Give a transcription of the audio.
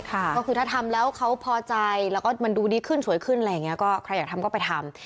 ก็คือถ้าทำแล้วเขาพอใจแล้วก็มันดูดีขึ้นสวยขึ้นอะไรอย่างนี้ก็ใครอยากทำก็ไปทำ